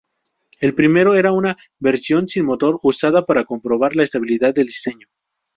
El primero era una versión sin motor, usada para comprobar la estabilidad del diseño.